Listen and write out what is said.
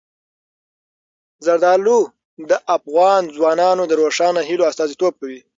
زردالو د افغان ځوانانو د روښانه هیلو استازیتوب کوي.